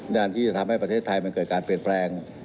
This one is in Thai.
ด้านที่จะทำให้ประเทศไทยมันเกิดการเปลี่ยนแปลง